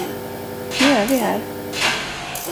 Nu är vi här.